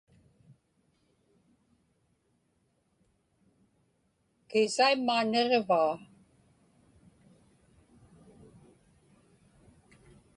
Kiisaimmaa niġivaa.